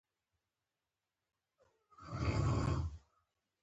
په افغانستان کې د چار مغز تاریخ خورا ډېر اوږد دی.